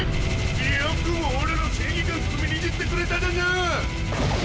よくもおらの正義感踏みにじってくれただなぁ！